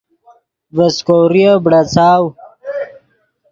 ڤے سیکوریف بڑاڅاؤ